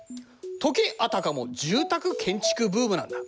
時あたかも住宅建築ブームなんだ。